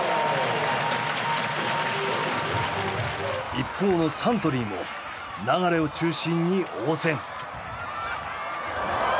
一方のサントリーも流を中心に応戦。